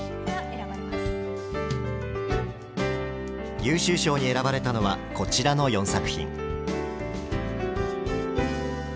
優秀賞に選ばれたのはこちらの４作品。